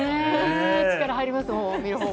力入ります。